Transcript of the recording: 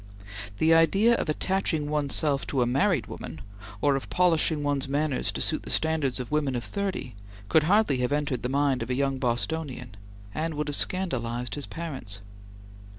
The idea of attaching one's self to a married woman, or of polishing one's manners to suit the standards of women of thirty, could hardly have entered the mind of a young Bostonian, and would have scandalized his parents.